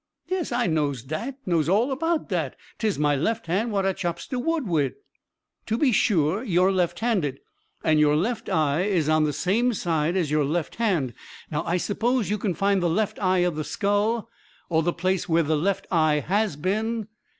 "Yes, I knows dat knows all about dat 'tis my lef hand what I chops de wood wid." "To be sure! you are left handed; and your left eye is on the same side as your left hand. Now, I suppose, you can find the left eye of the skull, or the place where the left eye has been.